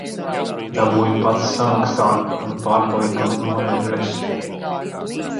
Dabūju pats samaksāt un pārpalikumu noēdu es.